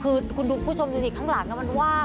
คือคุณดูผู้ชมอยู่ที่ข้างหลังมันว่า